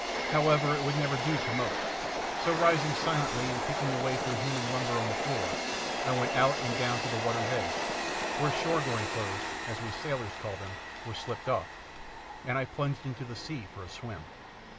However, it would never do to mope; so, rising silently and picking a way through human lumber on the floor, I went out and down to the water's edge, where "shore going" clothes, as we sailors call them, were slipped off, and I plunged into the sea for a swim.